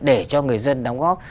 để cho người dân đóng góp